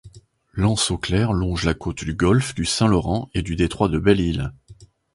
L'Anse-au-Clair longe la côte du golfe du Saint-Laurent et du détroit de Belle-Isle.